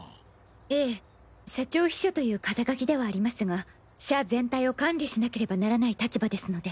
ええ社長秘書という肩書きではありますが社全体を管理しなければならない立場ですので。